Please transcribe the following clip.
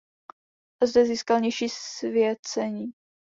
Zde získal nižší svěcení.